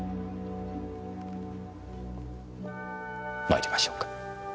まいりましょうか。